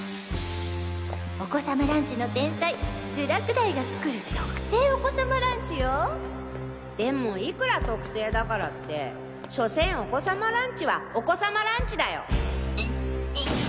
お子さまランチの天才聚楽大が作る「特製お子さまランチ」よでもいくら特製だからって所詮お子さまランチはお子さまランチだよ